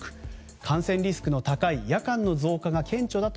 感染リスクの高い夜間の増加が顕著だと